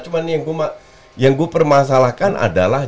cuma yang gue permasalahkan adalah